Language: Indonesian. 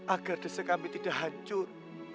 agar desa kami tidak hancur